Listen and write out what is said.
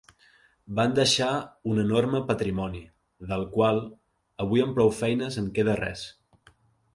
Van deixar un enorme patrimoni, del qual, avui amb prou feines en queda res.